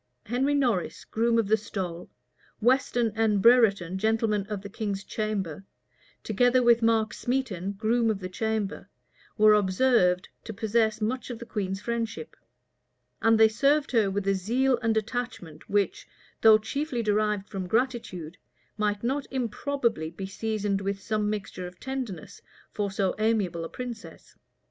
Henry Norris, groom of the stole, Weston and Brereton, gentlemen of the king's chamber, together with Mark Smeton, groom of the chamber, were observed to possess much of the queen's friendship; and they served her with a zeal and attachment, which, though chiefly derived from gratitude, might not improbably be seasoned with some mixture of tenderness for so amiable a princess.